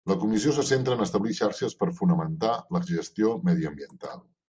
La comissió se centra en establir xarxes per fomentar la gestió mediambiental.